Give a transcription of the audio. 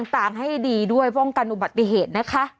ต่างให้ดีด้วยป้องกันอุบัติเหตุนะคะ